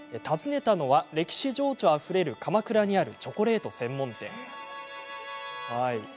訪ねたのは、歴史情緒あふれる鎌倉にあるチョコレート専門店。